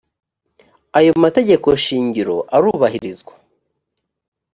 aya mategeko shingiro arubahirizwa